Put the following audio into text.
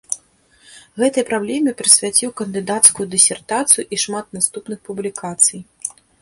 Гэтай праблеме прысвяціў кандыдацкую дысертацыю і шмат наступных публікацый.